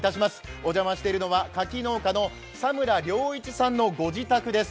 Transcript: お邪魔しているのは佐村良一さんの御自宅です。